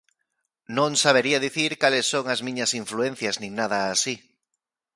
Non sabería dicir cales son as miñas influencias nin nada así.